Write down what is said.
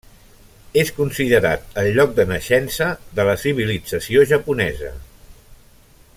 És considerat el lloc de naixença de la civilització japonesa.